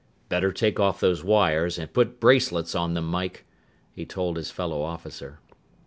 "Better take off those wires and put bracelets on them, Mike," he told his fellow officer.